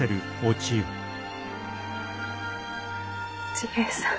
治平さん